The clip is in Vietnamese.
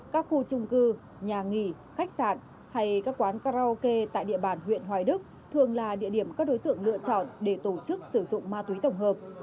các khu trung cư nhà nghỉ khách sạn hay các quán karaoke tại địa bàn huyện hoài đức thường là địa điểm các đối tượng lựa chọn để tổ chức sử dụng ma túy tổng hợp